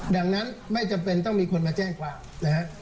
ดังนั้นไม่จำเป็นต้องมีคนมาแจ้งความนะฮะ